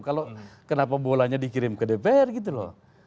kalau kenapa bolanya dikirim ke dpr gitu loh